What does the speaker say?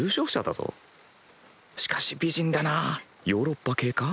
しかし美人だなヨーロッパ系か？